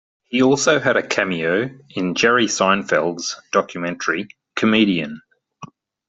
He also had a cameo in Jerry Seinfeld's documentary, "Comedian".